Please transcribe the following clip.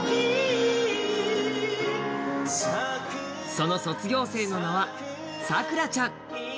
その卒業生の名はさくらちゃん。